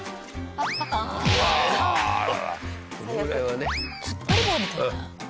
突っ張り棒みたいなやつね。